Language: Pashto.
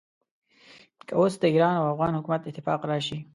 که اوس د ایران او افغان حکومت اتفاق راشي.